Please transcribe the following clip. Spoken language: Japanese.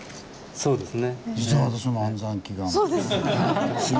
そうですね。